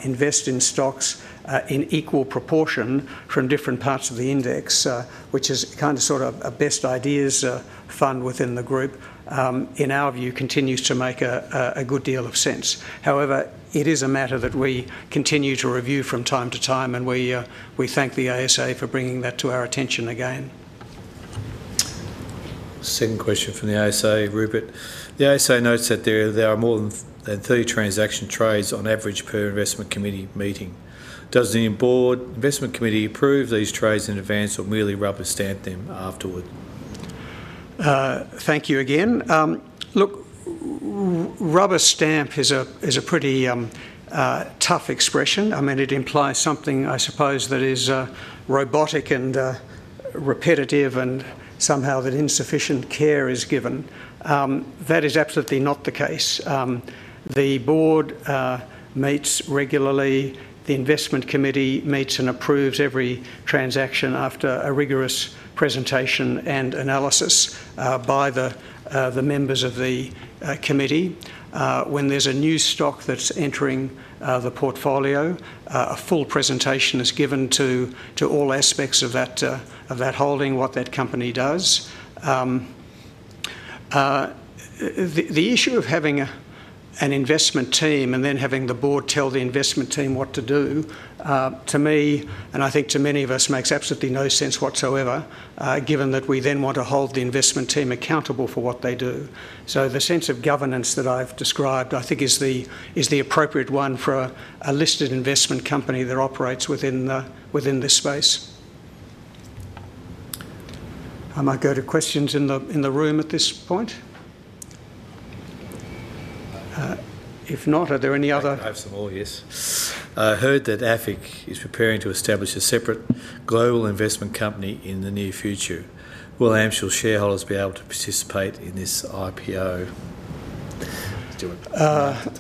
invest in stocks in equal proportion from different parts of the index, which is kind of sort of a best ideas fund within the group, in our view, continues to make a good deal of sense. However, it is a matter that we continue to review from time to time, and we thank the ASA for bringing that to our attention again. Second question from the ASA, Rupert. The ASA notes that there are more than three transaction trades on average per investment committee meeting. Does the Board Investment Committee approve these trades in advance or merely rubber stamp them afterward? Thank you again. Look, rubber stamp is a pretty tough expression. I mean, it implies something, I suppose, that is robotic and repetitive and somehow that insufficient care is given. That is absolutely not the case. The board meets regularly. The investment committee meets and approves every transaction after a rigorous presentation and analysis by the members of the committee. When there's a new stock that's entering the portfolio, a full presentation is given to all aspects of that holding, what that company does. The issue of having an investment team and then having the board tell the investment team what to do, to me, and I think to many of us, makes absolutely no sense whatsoever, given that we then want to hold the investment team accountable for what they do. The sense of governance that I've described, I think, is the appropriate one for a listed investment company that operates within this space. I might go to questions in the room at this point. If not, are there any other? I have some more, yes. I heard that AFIC is preparing to establish a separate global investment company in the near future. Will AMCIL shareholders be able to participate in this IPO?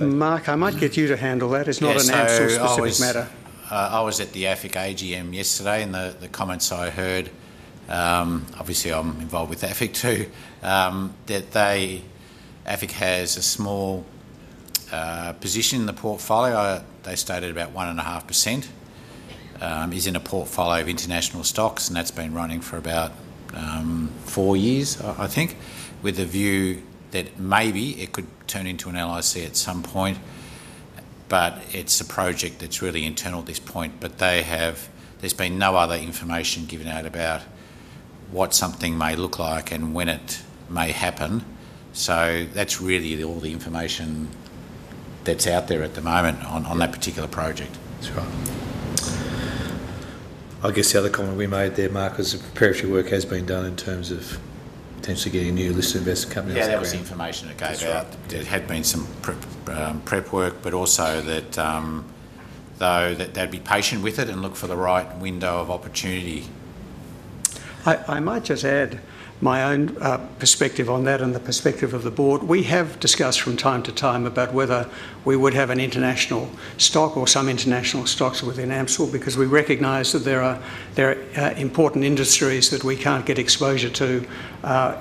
Mark, I might get you to handle that. It's not an AMCIL specialist matter. I was at the AFIC AGM yesterday, and the comments I heard, obviously I'm involved with AFIC too, that AFIC has a small position in the portfolio. They stated about 1.5% is in a portfolio of international stocks, and that's been running for about four years, I think, with a view that maybe it could turn into an LIC at some point. It's a project that's really internal at this point. There's been no other information given out about what something may look like and when it may happen. That's really all the information that's out there at the moment on that particular project. I guess the other comment we made there, Mark, was that preparatory work has been done in terms of potentially getting new listed investment companies. Yeah, that was the information that came out. There had been some prep work, but also that they'd be patient with it and look for the right window of opportunity. I might just add my own perspective on that and the perspective of the board. We have discussed from time to time about whether we would have an international stock or some international stocks within AMCIL because we recognize that there are important industries that we can't get exposure to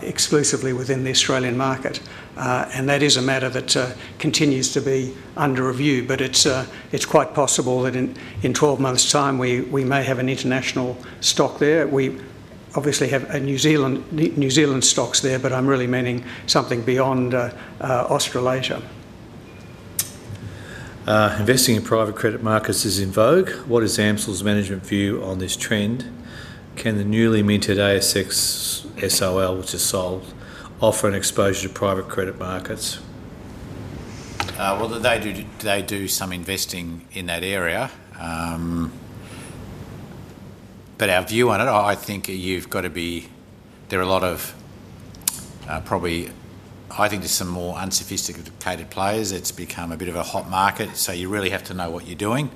exclusively within the Australian market. That is a matter that continues to be under review, but it's quite possible that in 12 months' time we may have an international stock there. We obviously have New Zealand stocks there, but I'm really meaning something beyond Australasia. Investing in private credit markets is in vogue. What is AMCIL's management view on this trend? Can the newly minted ASX SOL, which is Soul, offer an exposure to private credit markets? They do some investing in that area, but our view on it, I think you've got to be, there are a lot of probably, I think there's some more unsophisticated players. It's become a bit of a hot market, so you really have to know what you're doing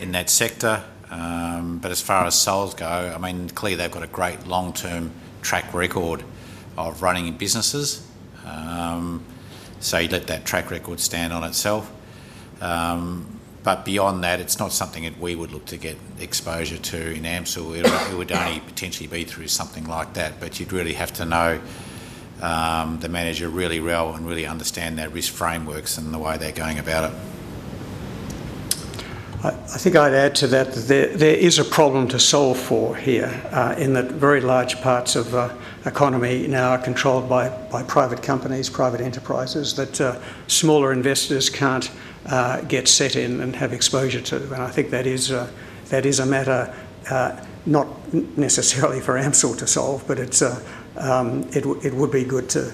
in that sector. As far as Soul go, I mean, clearly they've got a great long-term track record of running in businesses. You let that track record stand on itself. Beyond that, it's not something that we would look to get exposure to in AMCIL. It would only potentially be through something like that, but you'd really have to know the manager really well and really understand their risk frameworks and the way they're going about it. I think I'd add to that that there is a problem to solve for here in that very large parts of the economy now are controlled by private companies, private enterprises that smaller investors can't get set in and have exposure to. I think that is a matter not necessarily for AMCIL to solve, but it would be good to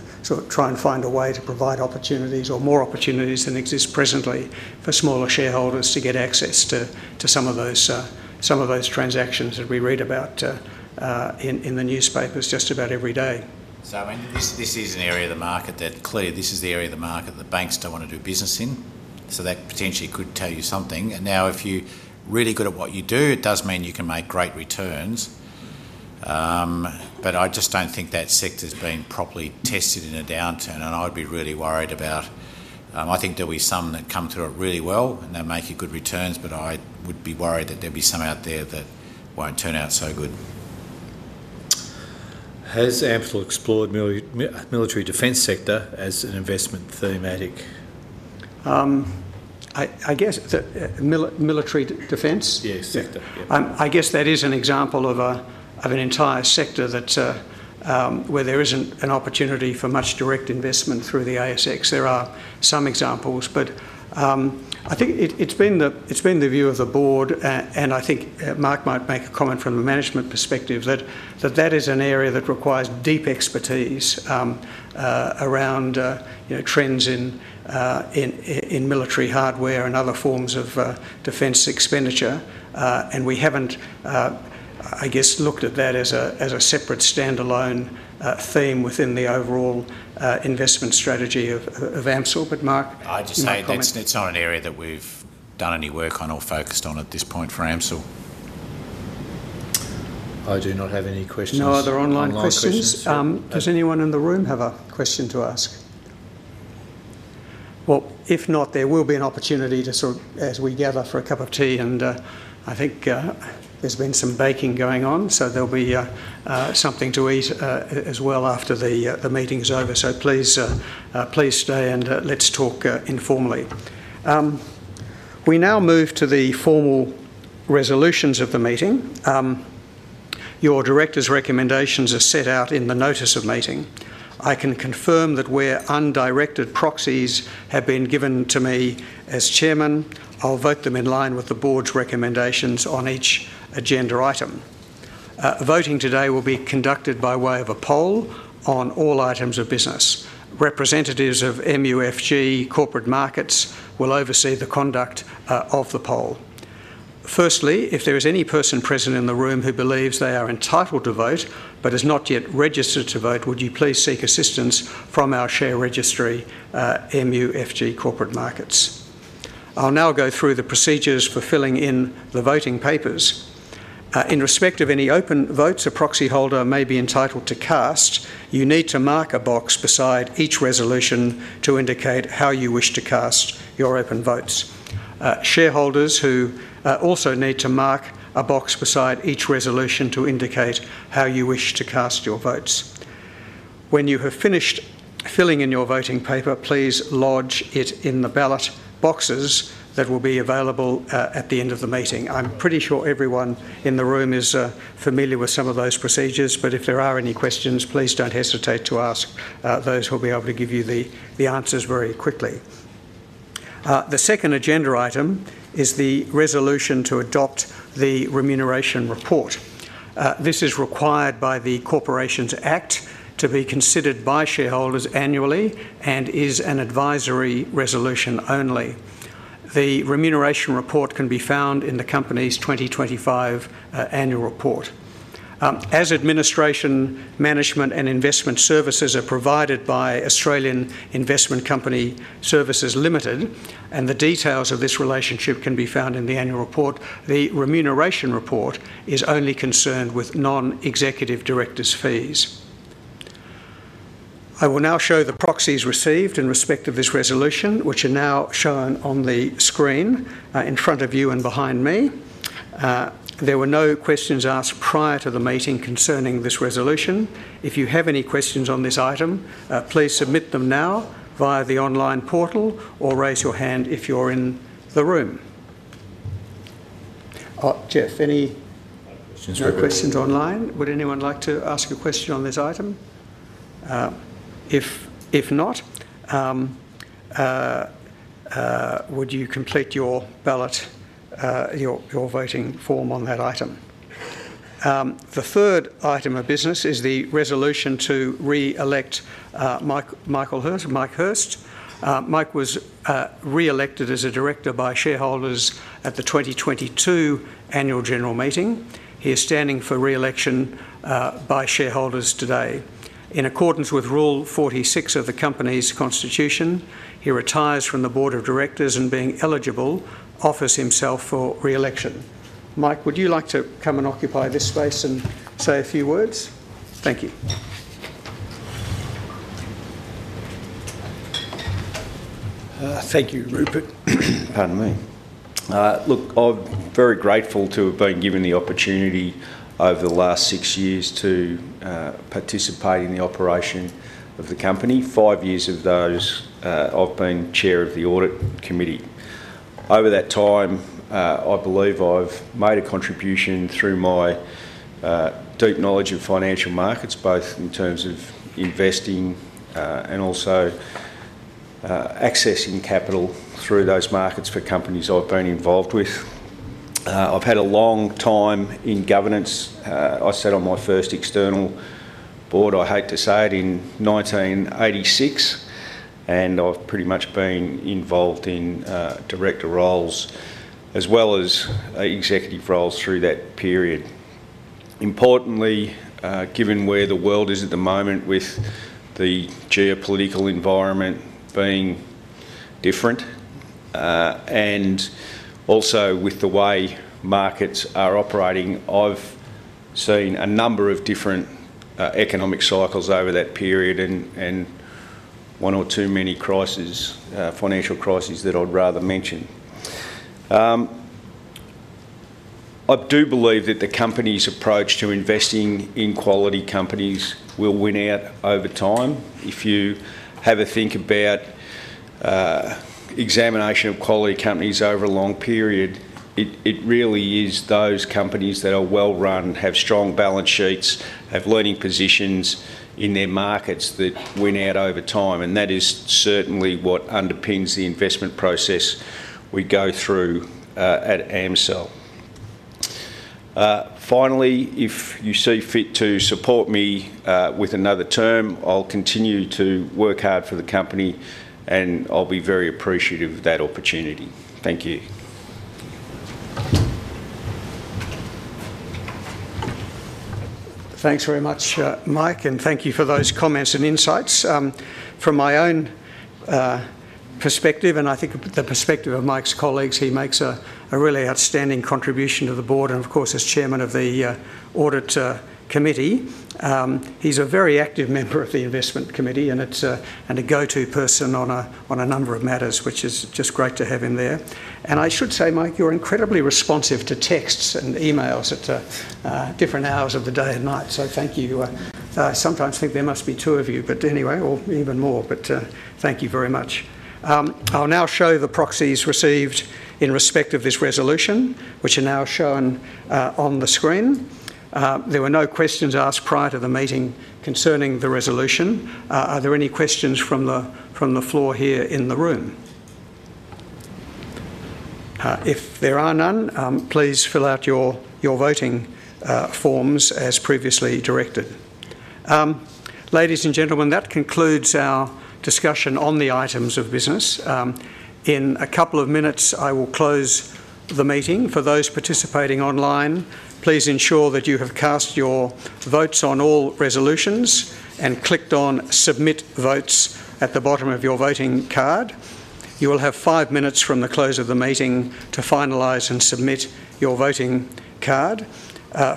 try and find a way to provide opportunities or more opportunities than exist presently for smaller shareholders to get access to some of those transactions that we read about in the newspapers just about every day. This is an area of the market that clearly the banks don't want to do business in. That potentially could tell you something. If you're really good at what you do, it does mean you can make great returns. I just don't think that sector's been properly tested in a downturn, and I would be really worried about, I think there'll be some that come through it really well and they'll make you good returns, but I would be worried that there'll be some out there that won't turn out so good. Has AMCIL explored the military defense sector as an investment thematic? I guess that military defense sector, I guess that is an example of an entire sector where there isn't an opportunity for much direct investment through the ASX. There are some examples, but I think it's been the view of the board, and I think Mark might make a comment from the management perspective that that is an area that requires deep expertise around trends in military hardware and other forms of defense expenditure. We haven't, I guess, looked at that as a separate standalone theme within the overall investment strategy of AMCIL. I'd just say that's not an area that we've done any work on or focused on at this point for AMCIL. I do not have any questions. No other online questions. Does anyone in the room have a question to ask? If not, there will be an opportunity to, as we gather for a cup of tea, and I think there's been some baking going on, so there'll be something to eat as well after the meeting is over. Please stay and let's talk informally. We now move to the formal resolutions of the meeting. Your Directors' recommendations are set out in the notice of meeting. I can confirm that where undirected proxies have been given to me as Chairman, I'll vote them in line with the Board's recommendations on each agenda item. Voting today will be conducted by way of a poll on all items of business. Representatives of MUFG Corporate Markets will oversee the conduct of the poll. Firstly, if there is any person present in the room who believes they are entitled to vote but has not yet registered to vote, would you please seek assistance from our share registry, MUFG Corporate Markets? I'll now go through the procedures for filling in the voting papers. In respect of any open votes a proxy holder may be entitled to cast, you need to mark a box beside each resolution to indicate how you wish to cast your open votes. Shareholders also need to mark a box beside each resolution to indicate how you wish to cast your votes. When you have finished filling in your voting paper, please lodge it in the ballot boxes that will be available at the end of the meeting. I'm pretty sure everyone in the room is familiar with some of those procedures, but if there are any questions, please don't hesitate to ask. Those will be able to give you the answers very quickly. The second agenda item is the resolution to adopt the remuneration report. This is required by the Corporations Act to be considered by shareholders annually and is an advisory resolution only. The remuneration report can be found in the company's 2025 annual report. As administration, management, and investment services are provided by Australian Investment Company Services Limited, the details of this relationship can be found in the annual report. The remuneration report is only concerned with non-executive Directors' fees. I will now show the proxies received in respect of this resolution, which are now shown on the screen in front of you and behind me. There were no questions asked prior to the meeting concerning this resolution. If you have any questions on this item, please submit them now via the online portal or raise your hand if you're in the room. Geoff, any questions online? Would anyone like to ask a question on this item? If not, would you complete your ballot, your voting form on that item? The third item of business is the resolution to re-elect Michael Hirst. Mike was re-elected as a Director by shareholders at the 2022 Annual General Meeting. He is standing for re-election by shareholders today. In accordance with Rule 46 of the company's constitution, he retires from the Board of Directors and, being eligible, offers himself for re-election. Mike, would you like to come and occupy this space and say a few words? Thank you. Thank you, Rupert. Pardon me. Look, I'm very grateful to have been given the opportunity over the last six years to participate in the operation of the company. Five years of those, I've been Chair of the Audit Committee. Over that time, I believe I've made a contribution through my deep knowledge of financial markets, both in terms of investing and also accessing capital through those markets for companies I've been involved with. I've had a long time in governance. I sat on my first external board, I hate to say it, in 1986, and I've pretty much been involved in director roles as well as executive roles through that period. Importantly, given where the world is at the moment with the geopolitical environment being different and also with the way markets are operating, I've seen a number of different economic cycles over that period and one or two many financial crises that I'd rather mention. I do believe that the company's approach to investing in quality companies will win out over time. If you have a think about examination of quality companies over a long period, it really is those companies that are well-run, have strong balance sheets, have learning positions in their markets that win out over time. That is certainly what underpins the investment process we go through at AMCIL. Finally, if you see fit to support me with another term, I'll continue to work hard for the company, and I'll be very appreciative of that opportunity. Thank you. Thanks very much, Mike, and thank you for those comments and insights. From my own perspective, and I think the perspective of Mike's colleagues, he makes a really outstanding contribution to the Board, and of course, as Chairman of the Audit Committee, he's a very active member of the Investment Committee and a go-to person on a number of matters, which is just great to have him there. I should say, Mike, you're incredibly responsive to texts and emails at different hours of the day and night, so thank you. I sometimes think there must be two of you, or even more, but thank you very much. I'll now show the proxies received in respect of this resolution, which are now shown on the screen. There were no questions asked prior to the meeting concerning the resolution. Are there any questions from the floor here in the room? If there are none, please fill out your voting forms as previously directed. Ladies and gentlemen, that concludes our discussion on the items of business. In a couple of minutes, I will close the meeting. For those participating online, please ensure that you have cast your votes on all resolutions and clicked on submit votes at the bottom of your voting card. You will have five minutes from the close of the meeting to finalize and submit your voting card.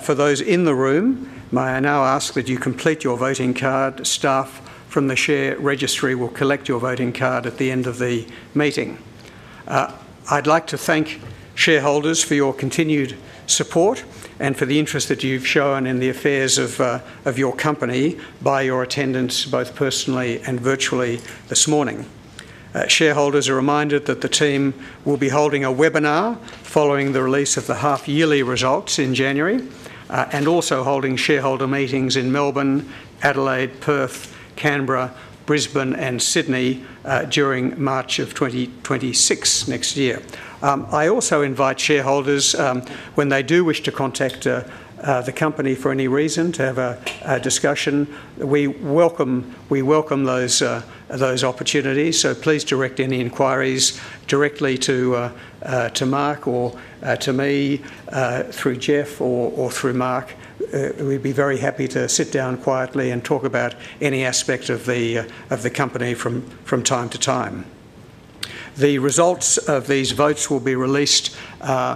For those in the room, may I now ask that you complete your voting card. Staff from the share registry will collect your voting card at the end of the meeting. I'd like to thank shareholders for your continued support and for the interest that you've shown in the affairs of your company by your attendance, both personally and virtually this morning. Shareholders are reminded that the team will be holding a webinar following the release of the half-yearly results in January and also holding shareholder meetings in Melbourne, Adelaide, Perth, Canberra, Brisbane, and Sydney during March of 2026 next year. I also invite shareholders, when they do wish to contact the company for any reason, to have a discussion. We welcome those opportunities, so please direct any inquiries directly to Mark or to me through Geoff or through Mark. We'd be very happy to sit down quietly and talk about any aspect of the company from time to time. The results of these votes will be released to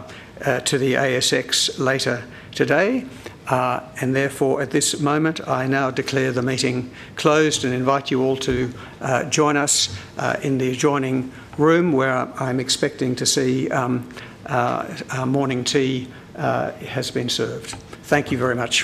the ASX later today, and therefore, at this moment, I now declare the meeting closed and invite you all to join us in the adjoining room where I'm expecting to see our morning tea has been served. Thank you very much.